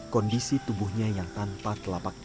kondisi tubuhnya yang tanpa telapak tangan dan perut